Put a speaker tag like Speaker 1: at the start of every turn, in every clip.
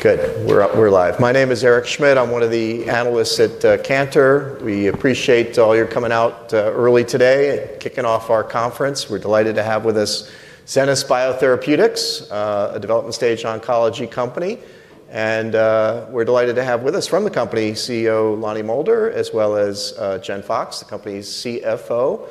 Speaker 1: Good. We're live. My name is Eric Schmidt. I'm one of the analysts at Cantor. We appreciate all your coming out early today and kicking off our conference. We're delighted to have with us Zenas BioPharma, a development stage oncology company. We're delighted to have with us from the company, CEO Lonnie Moulder, as well as Jen Fox, the company's CFO.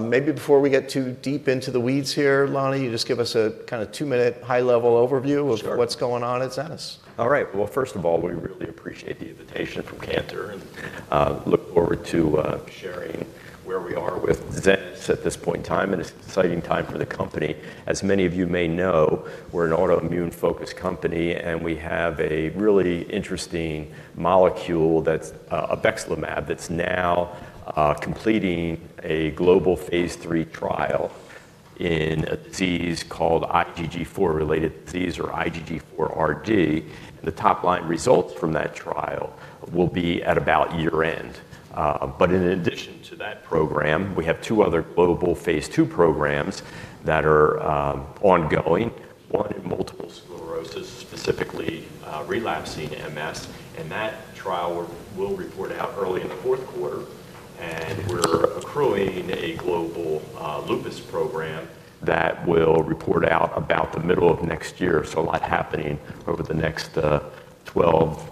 Speaker 1: Maybe before we get too deep into the weeds here, Lonnie, you just give us a kind of two-minute high-level overview of what's going on at Zenas.
Speaker 2: All right. First of all, we really appreciate the invitation from Cantor and look forward to sharing where we are with Zenas at this point in time. It is an exciting time for the company. As many of you may know, we're an autoimmune-focused company and we have a really interesting molecule that's obexelimab that's now completing a global phase III trial in a disease called IgG4-related disease or IgG4RD. The top line results from that trial will be at about year end. In addition to that program, we have two other global phase II programs that are ongoing, one in multiple sclerosis, specifically relapsing multiple sclerosis, and that trial will report out early in the fourth quarter. We're accruing a global systemic lupus erythematosus program that will report out about the middle of next year. A lot is happening over the next 12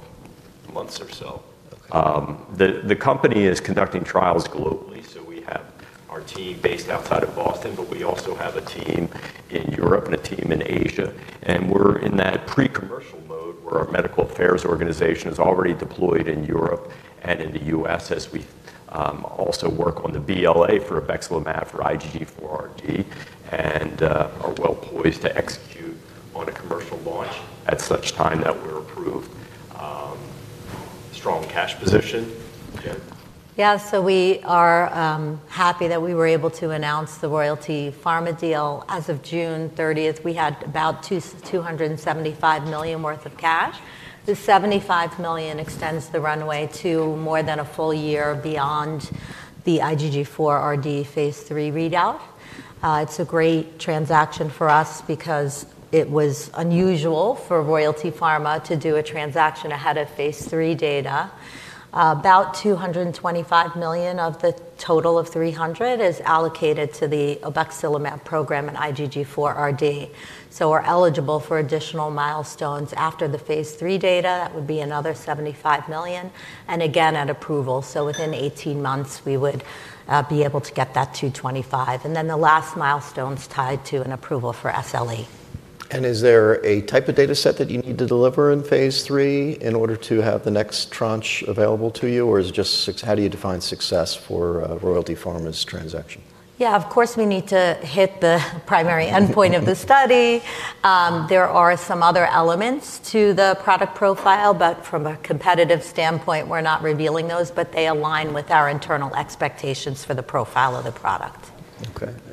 Speaker 2: months or so. The company is conducting trials globally. We have our team based outside of Boston, but we also have a team in Europe and a team in Asia. We're in that pre-commercial mode for our Medical Affairs organization that's already deployed in Europe and in the U.S., as we also work on the BLA for obexelimab for IgG4RD and are well poised to execute on a commercial launch at such time that we're approved. Strong cash position.
Speaker 3: Yeah, we are happy that we were able to announce the Royalty Pharma deal. As of June 30th, we had about $275 million worth of cash. The $75 million extends the runway to more than a full year beyond the IgG4RD phase III readout. It's a great transaction for us because it was unusual for Royalty Pharma to do a transaction ahead of phase III data. About $225 million of the total of $300 million is allocated to the obexelimab program and IgG4RD. We're eligible for additional milestones after the phase III data. That would be another $75 million, and again, at approval. Within 18 months, we would be able to get that $225 million. The last milestone is tied to an approval for SLE.
Speaker 1: Is there a type of data set that you need to deliver in phase III in order to have the next tranche available to you, or is it just how do you define success for a Royalty Pharma's transaction?
Speaker 3: Yeah, of course, we need to hit the primary endpoint of the study. There are some other elements to the product profile, but from a competitive standpoint, we're not revealing those, but they align with our internal expectations for the profile of the product.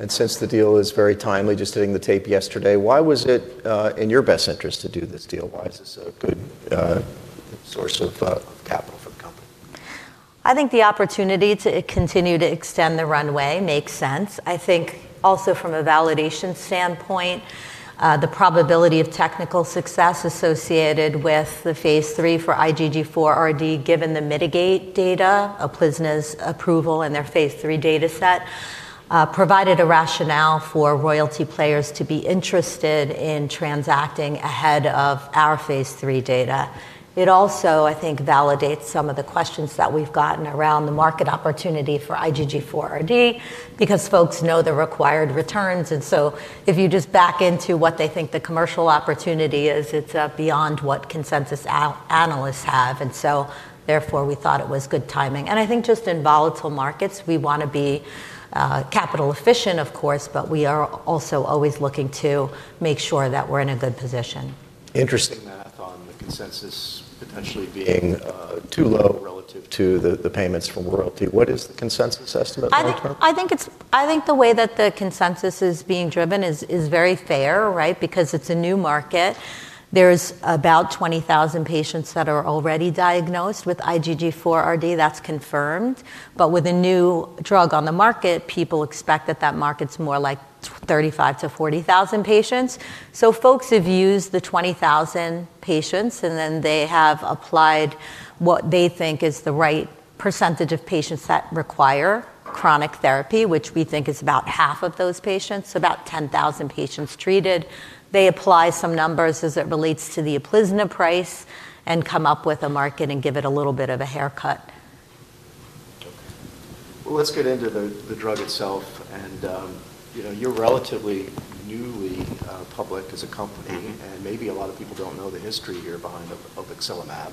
Speaker 1: Since the deal is very timely, just hitting the tape yesterday, why was it in your best interest to do this deal? Why is this a good source of capital for the company?
Speaker 3: I think the opportunity to continue to extend the runway makes sense. I think also from a validation standpoint, the probability of technical success associated with the phase III for IgG4RD, given the MITIGATEd data of Uplizna's approval and their phase III data set, provided a rationale for royalty players to be interested in transacting ahead of our phase III data. It also, I think, validates some of the questions that we've gotten around the market opportunity for IgG4RD because folks know the required returns. If you just back into what they think the commercial opportunity is, it's beyond what consensus analysts have. Therefore, we thought it was good timing. I think just in volatile markets, we want to be capital efficient, of course, but we are also always looking to make sure that we're in a good position.
Speaker 1: Interesting math on the consensus potentially being too low relative to the payments from Royalty Pharma. What is the consensus estimate long-term?
Speaker 3: I think the way that the consensus is being driven is very fair, right? Because it's a new market. There's about 20,000 patients that are already diagnosed with IgG4RD that's confirmed. With a new drug on the market, people expect that that market's more like 35,000- 40,000 patients. Folks have used the 20,000 patients and then they have applied what they think is the right percentage of patients that require chronic therapy, which we think is about half of those patients, about 10,000 patients treated. They apply some numbers as it relates to the Uplizna price and come up with a market and give it a little bit of a haircut.
Speaker 1: Okay. Let's get into the drug itself. You know you're relatively newly public as a company and maybe a lot of people don't know the history here behind obexelimab.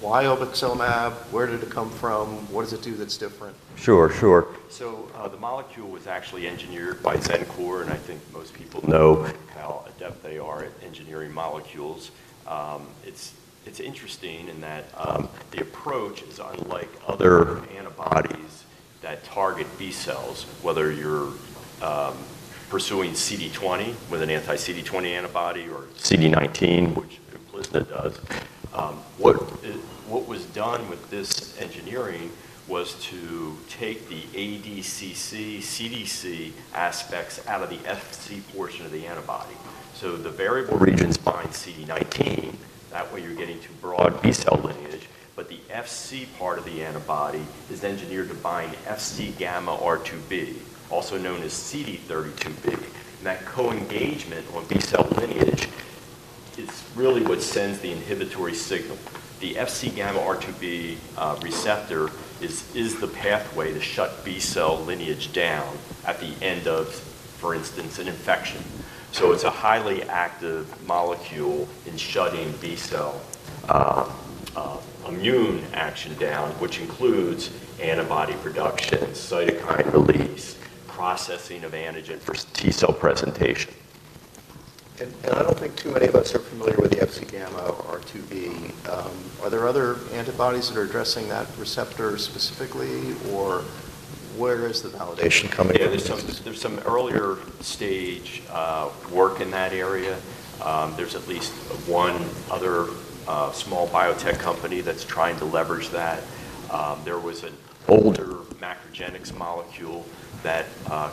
Speaker 1: Why obexelimab? Where did it come from? What does it do that's different?
Speaker 2: Sure, sure. The molecule was actually engineered by Zencor and I think most people know how adept they are at engineering molecules. It's interesting in that the approach is unlike other antibodies that target B cells, whether you're pursuing CD20 with an anti-CD20 antibody or CD19, which Uplizna does. What was done with this engineering was to take the ADCC, CDC aspects out of the Fc portion of the antibody. The variable regions bind CD19. That way, you're getting to broad B cell lineage. The Fc part of the antibody is engineered to bind Fc gamma RIIb, also known as CD32b. That co-engagement on B cell lineage is really what sends the inhibitory signal. The Fc gamma RIIb receptor is the pathway to shut B cell lineage down at the end of, for instance, an infection. It's a highly active molecule in shutting B cell immune action down, which includes antibody production, cytokine release, processing of antigen for T cell presentation.
Speaker 1: I don't think too many of us are familiar with the FC gamma RIIb. Are there other antibodies that are addressing that receptor specifically, or where is the validation coming from?
Speaker 2: Yeah, there's some earlier stage work in that area. There's at least one other small biotech company that's trying to leverage that. There was an older MacroGenics molecule that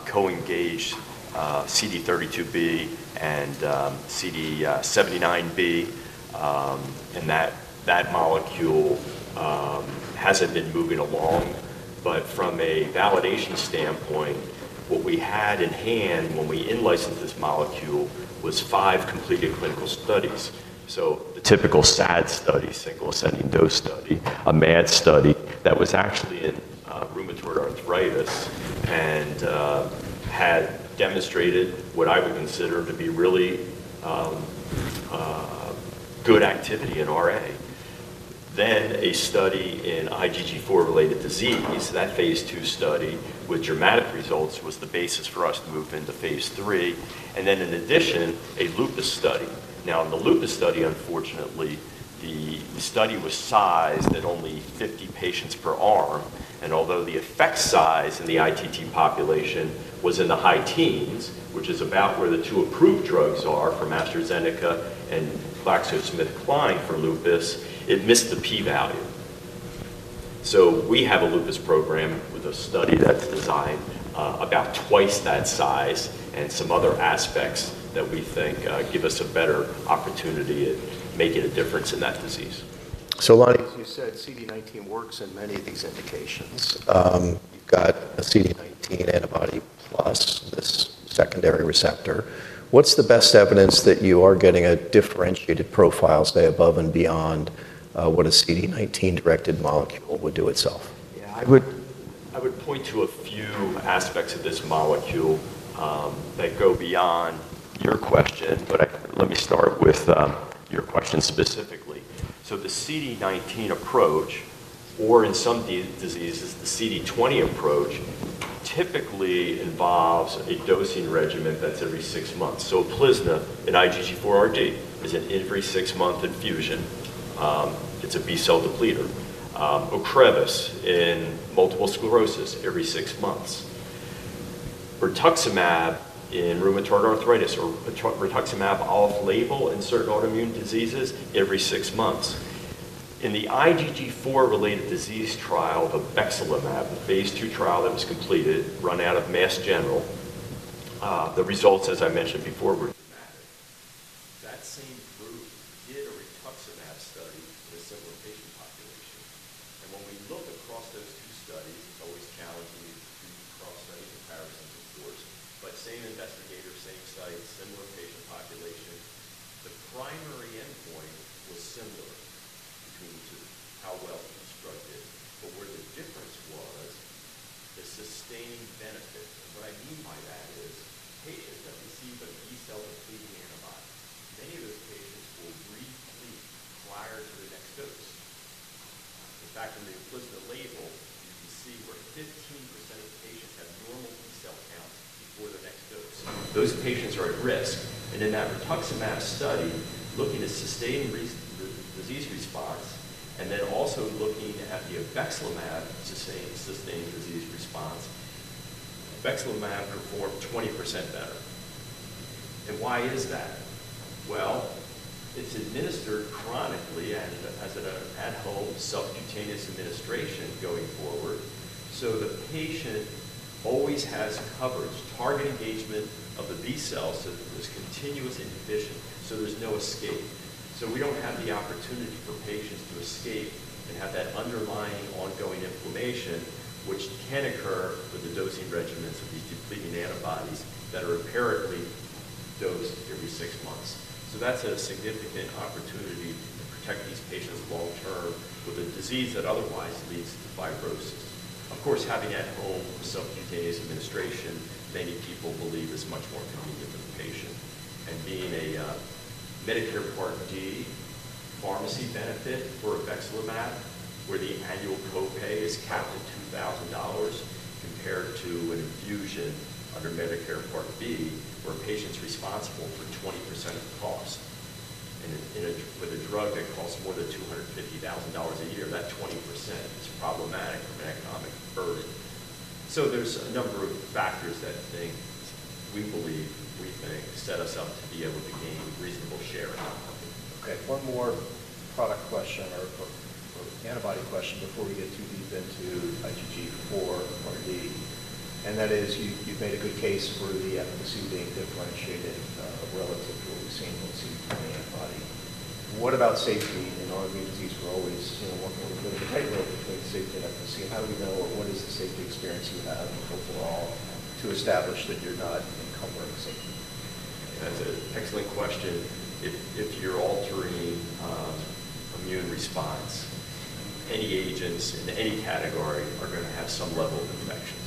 Speaker 2: co-engaged CD32b and CD79b. That molecule hasn't been moving along. From a validation standpoint, what we had in hand when we in-licensed this molecule was five completed clinical studies. The typical SAD study, cyclosidine dose study, a MAT study that was actually in rheumatoid arthritis and had demonstrated what I would consider to be really good activity in RA. A study in IgG4-related disease, that phase II study with dramatic results, was the basis for us to move into phase III. In addition, a lupus study. In the lupus study, unfortunately, the study was sized at only 50 patients per arm. Although the effect size in the ITT population was in the high teens, which is about where the two approved drugs are for AstraZeneca and Flaxseed/Cimaticline for lupus, it missed the P value. We have a lupus program with a study that's designed about twice that size and some other aspects that we think give us a better opportunity at making a difference in that disease.
Speaker 1: Like you said, CD19 works in many of these indications. You've got a CD19 antibody plus this secondary receptor. What's the best evidence that you are getting a differentiated profile, say, above and beyond what a CD19-directed molecule would do itself?
Speaker 2: Yeah, I would point to a few aspects of this molecule that go beyond your question, but let me start with your question specifically. The CD19 approach, or in some diseases, the CD20 approach, typically involves a dosing regimen that's every six months. Uplizna in IgG4RD is an every six-month infusion. It's a B-cell depletor. Ocrevus in multiple sclerosis, every six months. Rituximab in rheumatoid arthritis, or Rituximab off-label in certain autoimmune diseases, every six months. In the IgG4-related disease trial of obexelimab, the phase II trial that was completed, run out of Mass General, the results, as I mentioned before, were It's administered chronically and as an at-home self-contained administration going forward. The patient always has coverage, target engagement of the B cells, so that there's continuous inhibition, so there's no escape. We don't have the opportunity for patients to escape and have that underlying ongoing inflammation, which can occur with the dosing regimens of these depleting antibodies that are empirically dosed every six months. That's a significant opportunity to protect these patients long-term for the disease that otherwise leads to fibrosis. Of course, having at-home self-contained administration, many people believe is much more common in the patient. Being a Medicare Part D pharmacy benefit for obexelimab, where the annual co-pay is capped at $2,000 compared to an infusion under Medicare Part B, when patients are responsible for 20% of cost. When a drug may cost more than $250,000 a year, that 20% is problematic for the economic burden. There's a number of factors that we believe, we think, set us up to be able to gain reasonable share of that.
Speaker 1: Okay, one more product question or antibody question before we get too deep into IgG4RD. You've made a good case for the efficacy being differentiated relative to only single CD20 antibody. What about safety in autoimmune disease for always? What will the benefit be? How do you know what is the safety experience you have overall to establish that you're not incumbent?
Speaker 2: That's an excellent question. If it's your altering immune response, any agents in any category are going to have some level of infections.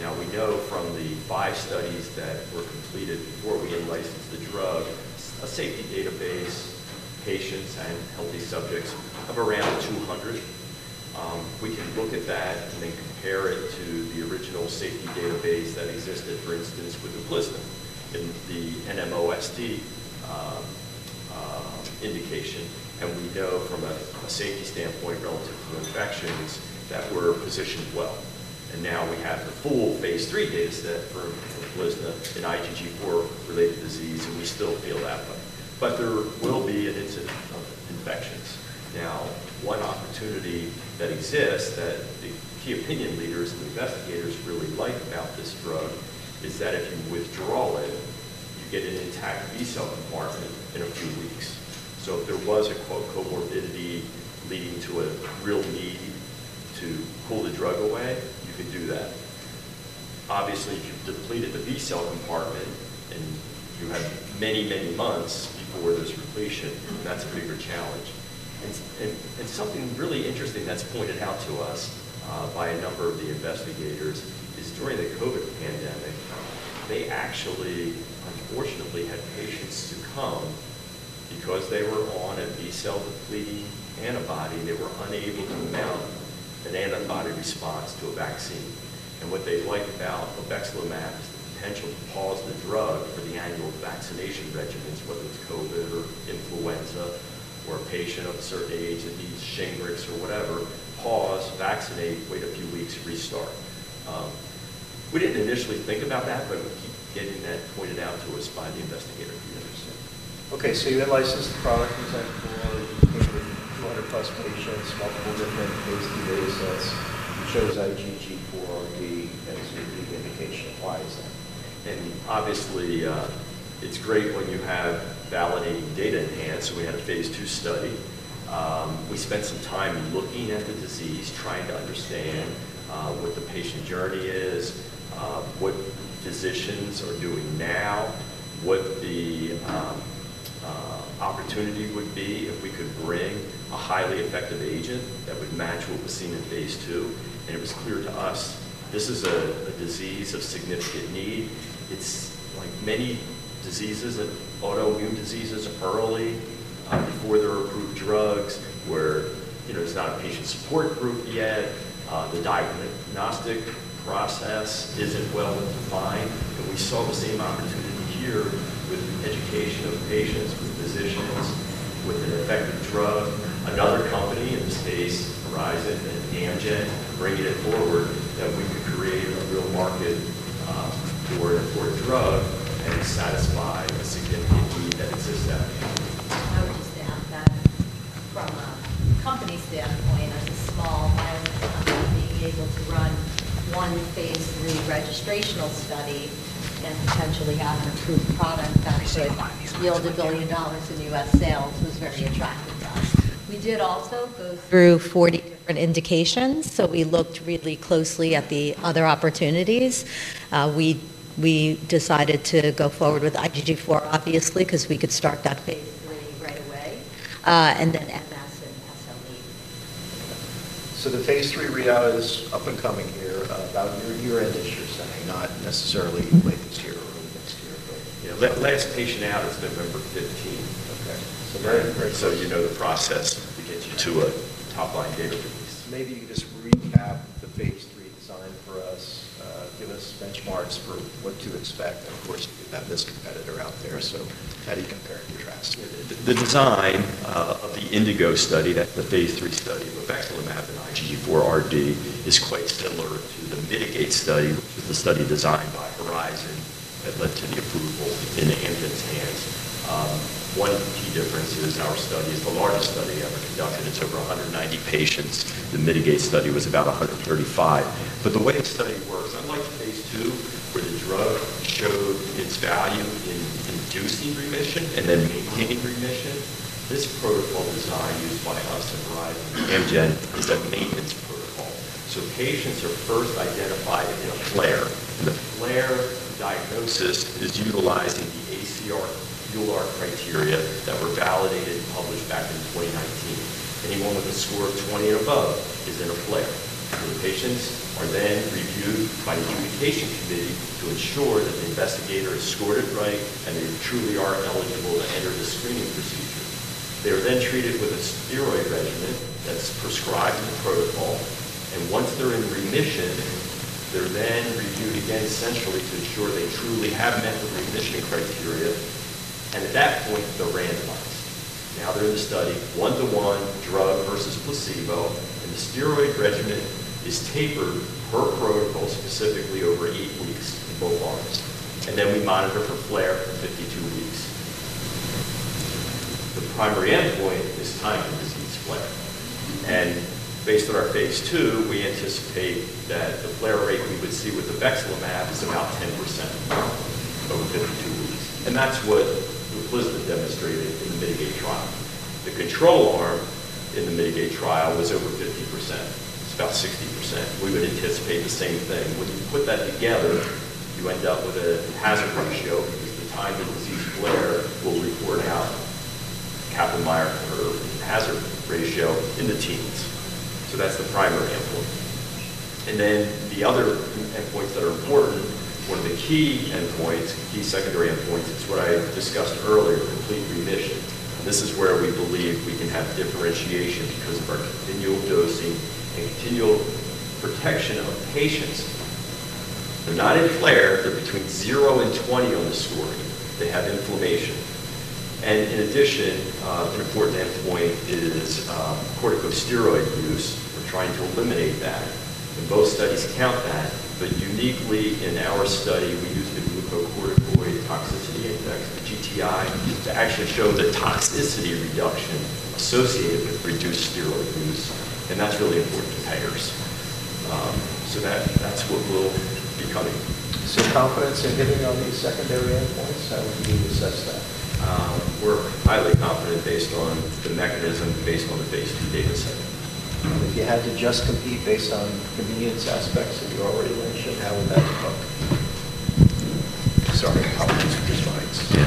Speaker 2: Now we know from the five studies that were completed before we licensed the drug, a safety database, patients, and healthy subjects of around 200. We can look at that and then compare it to the original safety database that existed, for instance, with Uplizna in the NMOSD indication. We know from a safety standpoint relative to infections that we're positioned well. Now we have the full phase III data set for Uplizna in IgG4-related disease, and we still feel that about it. There will be an incident of infections. One opportunity that exists that the key opinion leaders and investigators really like about this drug is that if you withdraw it, you get an intact B cell compartment in a few weeks. If there was a cohort in need leading to a real need to pull the drug away, you could do that. Obviously, you depleted the B cell compartment, and you had many, many months for this repletion. That's a bigger challenge. Something really interesting that's pointed out to us by a number of the investigators is during the COVID pandemic, they actually, unfortunately, had patients succumb because they were on a B-cell depleting antibody, they were unable to mount an antibody response to a vaccine. What they like about obexelimab is the potential to pause the drug for the annual vaccination regimens, whether it's COVID or influenza, or a patient of a certain age with the Shingrix or whatever, pause, vaccinate, wait a few weeks, and restart. We didn't initially think about that, but we keep getting that pointed out to us by the investigator at the other side.
Speaker 1: Okay, so you licensed the product obexelimab, you mentioned 200 plus patients, multiple different phase II data sets, you chose IgG4RD as the leading indication. Why is that?
Speaker 2: Obviously, it's great when you have validating data in hand. We had a phase II study. We spent some time looking at the disease, trying to understand what the patient journey is, what physicians are doing now, what the opportunity would be if we could bring a highly effective agent that would match what was seen in phase II. It was clear to us this is a disease of significant need. It's like many diseases in autoimmune diseases up early for their approved drugs, where you know there's not a patient support group yet. The diagnostic process isn't well defined, but we saw the same opportunity here with the education of patients, with physicians, with an effective drug. Another company in the space, Horizon and Amgen, bringing it forward, that we could create a real market for a drug and satisfy the significant need that exists out there.
Speaker 3: How would you stand up from a company standpoint as a small environmental company? It would be easier to run one phase III registrational study and potentially have an approved product that could yield $1 billion in U.S., sales, which was very attractive to us. We did also go through 40 different indications. We looked really closely at the other opportunities. We decided to go forward with IgG4-related disease, obviously, because we could start that phase III trial and then multiple sclerosis and systemic lupus erythematosus.
Speaker 1: The phase III readout is up and coming here, about your year end, as you're saying, not necessarily late this year or early next year.
Speaker 2: Last patient out is November 15th.
Speaker 1: Okay.
Speaker 2: You know the process to get you to a top-line database.
Speaker 1: Maybe you could just recap the phase III trial design for us. Give us benchmarks for what to expect. Of course, you didn't have this competitor out there. How do you compare your past?
Speaker 2: The design of the INDIGO study, that's the phase III study of obexelimab in IgG4RD is quite similar to the MITIGATE study, which is the study designed by Arezou and led to the approval in inebilizumab. One of the key differences is our study is the largest study ever conducted. It's over 190 patients. The MITIGATE study was about 135. The way the study works, unlike phase II, where the drug showed its value in inducing remission and then maintaining remission, this protocol design used by us at Zenas and Amgen is a maintenance protocol. Patients are first identified if they have a flare. The flare diagnosis is utilized in the ACR/EULAR criteria that were validated and published back in 2019. Anyone with a score of 20 and above is in a flare. The patients are then reviewed by the medication committee to ensure that the investigator has scored it right and they truly are eligible to enter the screening procedure. They're then treated with a steroid regimen that's prescribed in the protocol. Once they're in remission, they're then reviewed again centrally to ensure they truly have met the existing criteria. At that point, they're randomized. Now they're in the study, one-to-one, drug versus placebo, and the steroid regimen is tapered per protocol specifically over eight weeks in both arms. We monitor for flare in 52 weeks. The primary endpoint at this time is the disease flare. Based on our phase II, we anticipate that the flare rate we would see with obexelimab is about 10% over 52 weeks. That's what Uplizna demonstrated in the MITIGATE trial. The control arm in the MITIGATE trial was over 50%. It's about 60%. We would anticipate the same thing. When you put that together, you end up with a hazard ratio because the time the disease flare will report out, Kaplan-Meier error hazard ratio in the teens. That's the primary endpoint. The other endpoints that are important for the key endpoints, key secondary endpoints, it's what I've discussed earlier, complete remission. This is where we believe we can have differentiation because of our continual dosing and continual protection of patients. They're not in flare. They're between zero and 20 on the score that have inflammation. In addition, an important endpoint is corticosteroid use. They're trying to eliminate that. Both studies count that, but uniquely in our study, we use the glucocorticoid toxicity index, GTI, to actually show the toxicity reduction associated with reduced steroid use. That's really important to titers. That's what we'll be covering.
Speaker 1: Confidence in giving only secondary endpoints? How would you assess that?
Speaker 2: We're highly confident based on the mechanism, based on the phase II data set.
Speaker 1: If you had to just compete based on convenience aspects that you already mentioned, how would that look?
Speaker 2: Sorry, apologies for these lines.
Speaker 1: Yeah.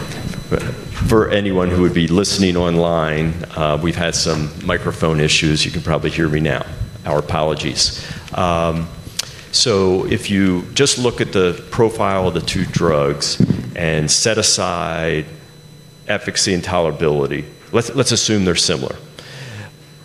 Speaker 2: For anyone who would be listening online, we've had some microphone issues. You can probably hear me now. Our apologies. If you just look at the profile of the two drugs and set aside efficacy and tolerability, let's assume they're similar.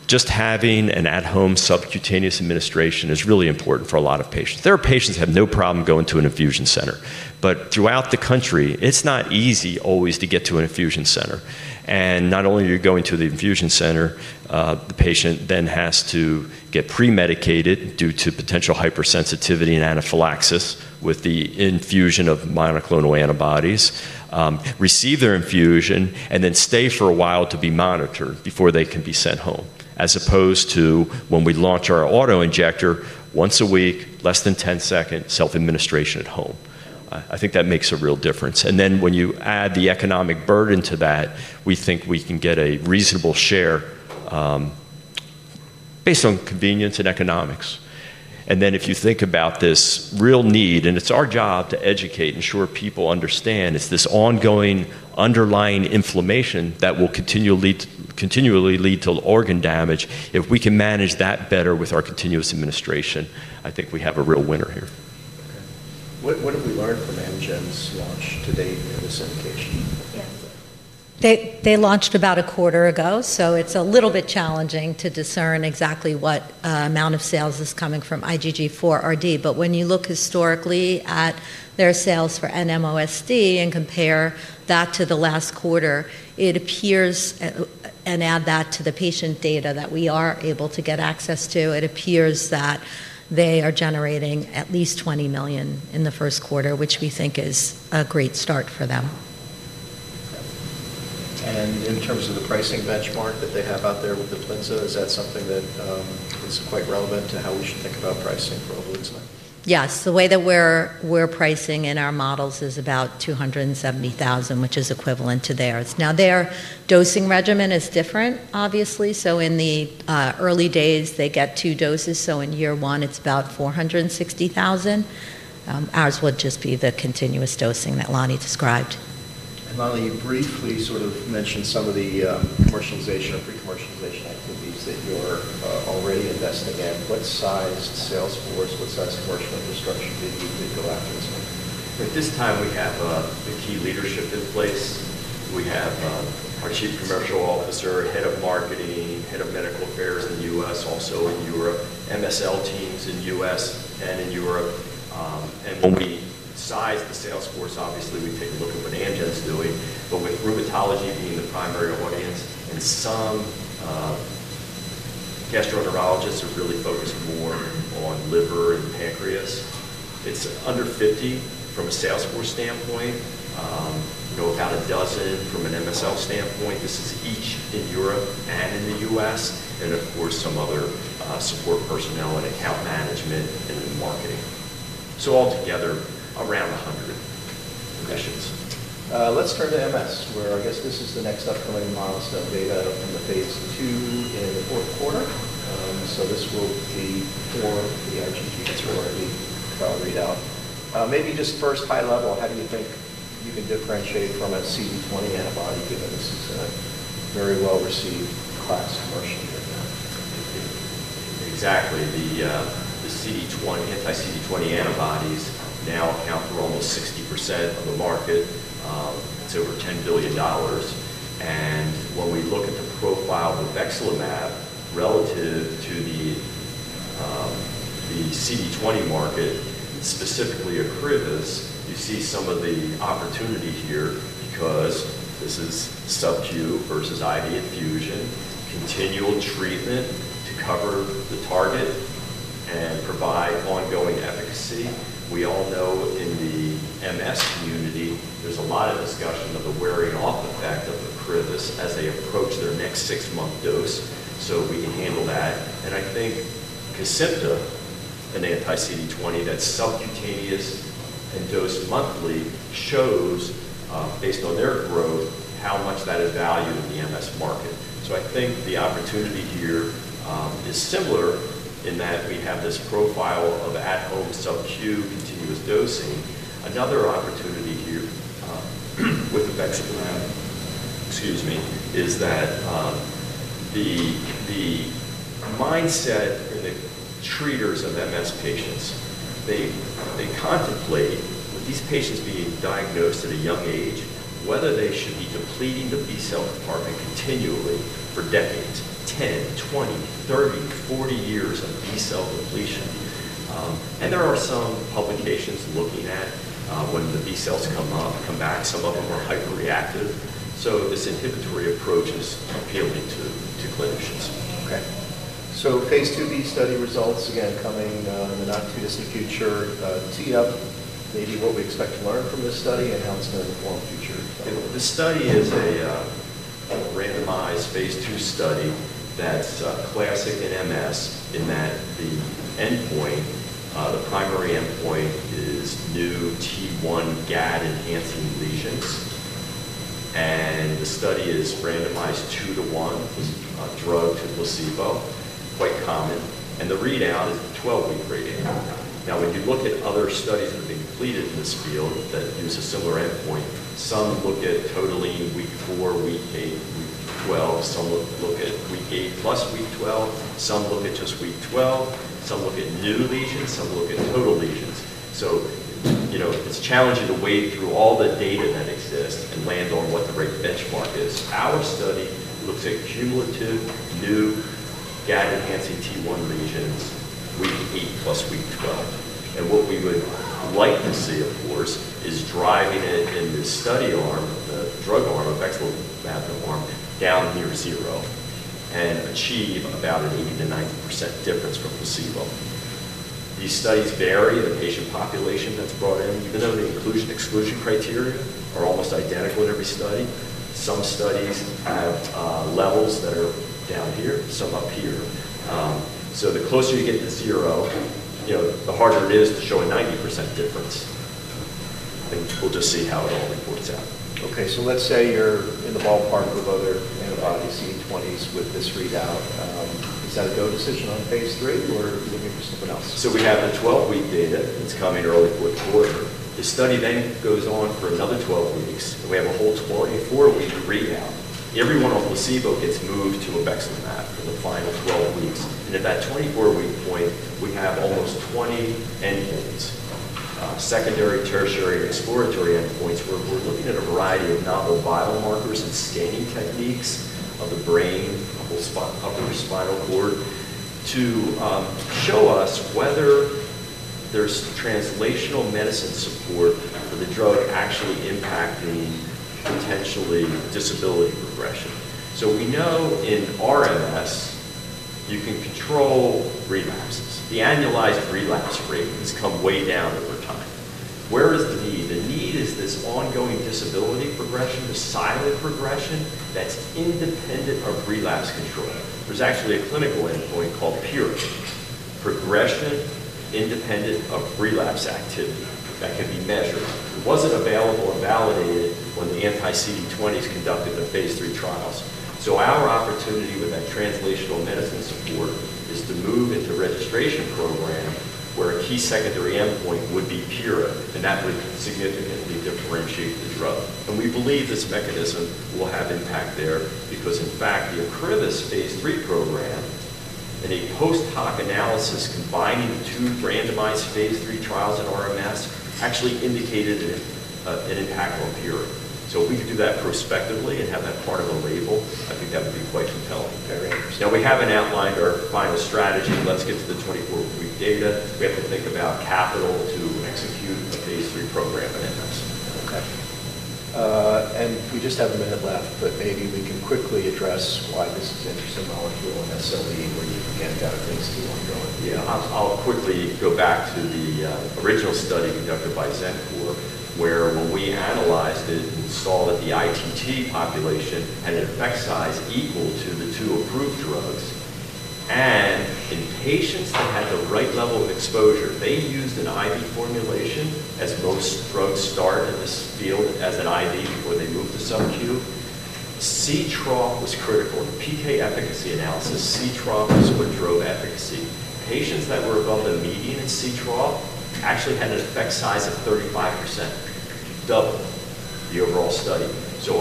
Speaker 2: Just having an at-home subcutaneous administration is really important for a lot of patients. There are patients that have no problem going to an infusion center. Throughout the country, it's not easy always to get to an infusion center. Not only are you going to the infusion center, the patient then has to get premedicated due to potential hypersensitivity and anaphylaxis with the infusion of monoclonal antibodies, receive their infusion, and then stay for a while to be monitored before they can be sent home. As opposed to when we launch our autoinjector, once a week, less than 10 seconds, self-administration at home. I think that makes a real difference. When you add the economic burden to that, we think we can get a reasonable share based on convenience and economics. If you think about this real need, and it's our job to educate and ensure people understand, it's this ongoing underlying inflammation that will continually lead to organ damage. If we can manage that better with our continuous administration, I think we have a real winner here.
Speaker 1: What have we learned from Amgen's launch to date?
Speaker 3: They launched about a quarter ago, so it's a little bit challenging to discern exactly what amount of sales is coming from IgG4RD. When you look historically at their sales for NMOSD and compare that to the last quarter, it appears, and add that to the patient data that we are able to get access to, it appears that they are generating at least $20 million in the first quarter, which we think is a great start for them.
Speaker 1: In terms of the pricing benchmark that they have out there with the Uplizna, is that something that is quite relevant to how we should think about pricing for obexelimab?
Speaker 3: Yes, the way that we're pricing in our models is about $270,000, which is equivalent to theirs. Now, their dosing regimen is different, obviously. In the early days, they get two doses. In year one, it's about $460,000. Ours would just be the continuous dosing that Lonnie described.
Speaker 1: Lonnie, you briefly sort of mentioned some of the commercialization or pre-commercialization activities that you are already investing in. What size sales force, what size enrichment discussion did you go after?
Speaker 2: At this time, we have the key leadership in place. We have our Chief Commercial Officer, Head of Marketing, Head of Medical Affairs in the U.S., also in Europe, MSL teams in the U.S. and in Europe. When we size the sales force, obviously, we take a look at what Amgen's doing. With rheumatology being the primary audience, and some gastroenterologists are really focused more on liver and pancreas, it's under 50 from a sales force standpoint. We go about a dozen from an MSL standpoint. This is each in Europe and in the U.S. Of course, some other support personnel and account management and marketing. Altogether, around 100.
Speaker 1: Let's turn to MS, where I guess this is the next upcoming milestone data in the phase II or phase IV. This will be for the IgG4RD cloud readout. Maybe just first by level, how do you think you can differentiate from a CD20 antibody, given this is a very well-received class emotionally about?
Speaker 2: Exactly. The anti-CD20 antibodies now account for almost 60% of the market. It's over $10 billion. When we look at the profile of obexelimab relative to the CD20 market, specifically Ocrevus, you see some of the opportunity here because this is subcutaneous versus IV infusion, continual treatment to cover the target and provide ongoing efficacy. We all know in the MS community, there's a lot of discussion of the wearing off effect of the Ocrevus as they approach their next six-month dose. We can handle that. I think Concepta, an anti-CD20 that's self-contained and dosed monthly, shows based on their growth how much that is valued in the MS market. I think the opportunity here is similar in that we have this profile of at-home subcutaneous continuous dosing. Another opportunity here with obexelimab, excuse me, is that the mindset and the triggers of MS patients, they contemplate with these patients being diagnosed at a young age, whether they should be depleting the B cell compartment continually for decades, 10, 20, 30, 40 years of B cell depletion. There are some publications looking at when the B cells come back, some of them are hyperreactive. This inhibitory approach is appealing to clinicians.
Speaker 1: Okay. phase IIb study results again coming in the not-too-distant future. Maybe what we expect to learn from this study and how it's going to inform future.
Speaker 2: This study is a randomized phase II study that's classic in multiple sclerosis in that the endpoint, the primary endpoint, is new T1 GAD-enhancing lesions. The study is randomized two to one, drug to placebo, which is quite common. The readout is a 12-week rating. When you look at other studies that have been completed in this field that use a similar endpoint, some will get total at week four, week eight, week twelve. Some look at week eight plus week twelve. Some look at just week twelve. Some look at new lesions. Some look at total lesions. It's challenging to weigh through all the data that exists and land on what the right benchmark is. Our study looks at cumulative new GAD-enhancing T1 lesions, week eight plus week twelve. What we would like to see, of course, is driving it in the study arm, the drug arm, the obexelimab arm, down near zero and achieve about an 80%- 90% difference from placebo. These studies vary in a patient population that's brought in. Even though the exclusion criteria are almost identical in every study, some studies have levels that are down here, some up here. The closer you get to zero, the harder it is to show a 90% difference. I think it's cool to see how it all works out.
Speaker 1: Okay, so let's say you're in the ballpark of other antibody CD20s with this readout. Is that a dope decision on phase III or looking for something else?
Speaker 2: We have the 12-week data. It's coming early for a quarter. The study then goes on for another 12 weeks, and we have a whole 24-week readout. Everyone on placebo gets moved to obexelimab in the final 12 weeks. At that 24-week point, we have almost 20 secondary, tertiary, and exploratory endpoints where we're looking at a variety of novel biomarkers and scanning techniques of the brain and the spinal cord to show us whether there's translational medicine support for the drug actually impacting potentially disability progression. We know in relapsing multiple sclerosis, you can control relapses. The annualized relapse rates come way down over time. Where is the need? The need is this ongoing disability progression, the silent progression that's independent of relapse control. There's actually a clinical endpoint called PIRA, Progression Independent of Relapse Activity, that can be measured. It wasn't available and validated when the anti-CD20s conducted the phase III trials. Our opportunity with that translational medicine support is to move into a registration program where a key secondary endpoint would be PIRA, and that would significantly differentiate the drug. We believe this mechanism will have impact there because, in fact, the Ocrevus phase III program and a post-hoc analysis combining the two randomized phase III trials at relapsing multiple sclerosis actually indicated an impact on PIRA. If we could do that prospectively and have that part of the label, I think that would be quite compelling.
Speaker 1: Very interesting.
Speaker 2: Now we haven't outlined our final strategy. Let's get to the 24-week data. We have to think about capital to execute a phase III program.
Speaker 1: Okay. We just have a minute left, but maybe we can quickly address why this is an interesting molecule in SLE where you again dive into your own idea.
Speaker 2: I'll quickly go back to the original study conducted by Zenas, where when we analyzed it and saw that the IgG4-related disease population had an effect size equal to the two approved drugs. In patients that had the right level of exposure, they used an IV formulation as most drugs start in this field as an IV before they move to subcutaneous. CTRA was critical. The PK efficacy analysis, CTRA by supernodal efficacy. Patients that were above a median CTRA actually had an effect size of 35%, double the overall study.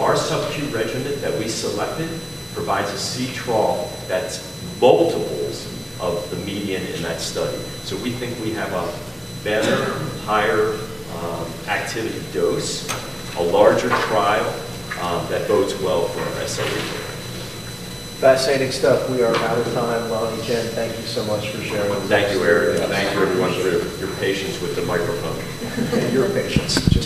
Speaker 2: Our subcutaneous regimen that we selected provides a CTRA that's multiples of the median in that study. We think we have a better, higher activity dose on a larger trial that bodes well for SLE.
Speaker 1: Fascinating stuff. We are out of time. Lonnie, Jen, thank you so much for sharing.
Speaker 2: Thank you, Eric. Thank you, everyone, for your patience with the microphone. Your patience just didn't work for you.